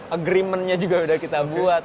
agreement nya juga sudah kita buat